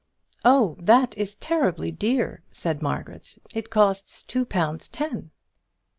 "Oh! that is terribly dear," said Margaret, "it costs two pounds ten."